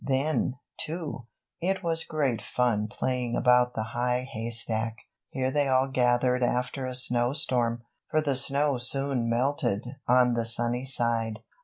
Then, too, it was great fun playing about the High Haystack. Here they all gathered after a snow storm, for the snow soon melted on the sunny side.